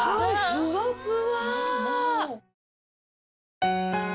ふわふわ。